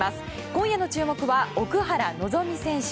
今夜の注目は奥原希望選手。